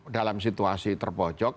dalam situasi terpojok